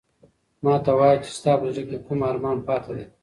ما ته وایه چې ستا په زړه کې کوم ارمان پاتې دی؟